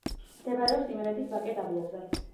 მდებარეობს იმერეთის ვაკე-დაბლობზე.